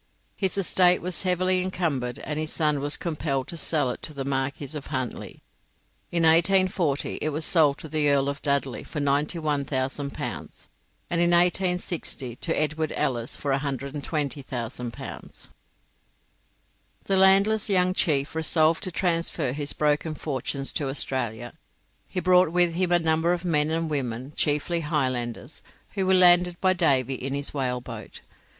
His estate was heavily encumbered, and his son was compelled to sell it to the Marquis of Huntly. In 1840 it was sold to the Earl of Dudley for 91,000 pounds, and in 1860 to Edward Ellice for 120,000 pounds. The landless young chief resolved to transfer his broken fortunes to Australia. He brought with him a number of men and women, chiefly Highlanders, who were landed by Davy in his whaleboat.